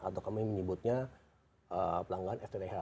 atau kami menyebutnya pelanggan fth